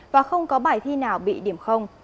và không có bài thi nào bị điểm